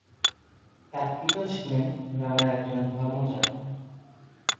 তার পিতা ছিলেন গ্রামের একজন ধর্ম যাজক।